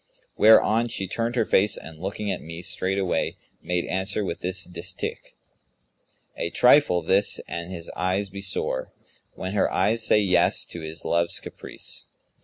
Whereon she turned her face and looking at me, straightway made answer with this distich, 'A trifle this an his eyes be sore, * When her eyes say 'yes' to his love's caprice!'